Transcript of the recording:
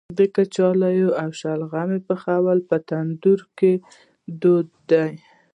د کچالو او شلغم پخول په تندور کې دود دی.